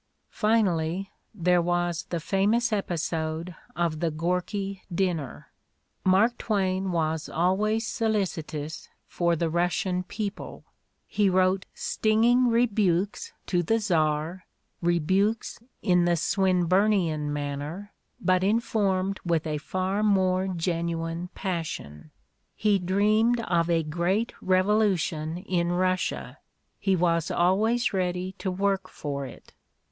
Finally, there :was the famous episode of the Gorky dinner. Mark Twain was always solicitous for the Rus sian people; he wrote stinging rebukes to the Czar, rebukes in the Swinburnian manner but informed with a far more genuine passion; he dreamed of a great revolution in Russia ; he was always ready to work for it.